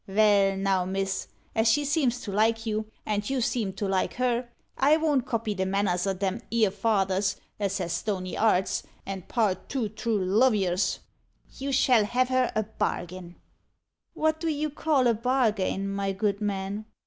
Vell, now, miss, as she seems to like you, and you seem to like her, I won't copy the manners o' them 'ere fathers as has stony 'arts, and part two true lovyers. You shall have her a bargin." "What do you call a bargain, my good man?"